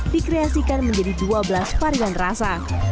dikreasikan menjadi dua belas varian rasa